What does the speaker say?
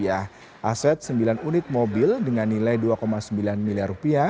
aset sembilan unit mobil dengan nilai rp dua sembilan miliar